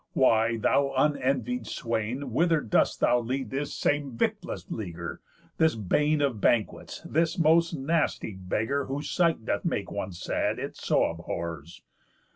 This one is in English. Why, thou unenvied swain, Whither dost thou lead this same victless leaguer, This bane of banquets, this most nasty beggar, Whose sight doth make one sad, it so abhors?